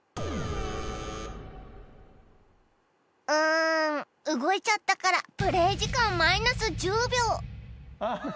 「うん動いちゃったからプレイ時間マイナス１０秒」